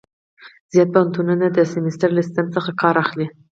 زیات پوهنتونونه د سمستر له سیسټم څخه کار اخلي.